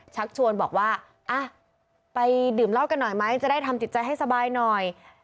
ชักชวนบอกว่าไปดื่มเหล้ากันหน่อยไหมจะได้ทำจิตใจให้สบายหน่อย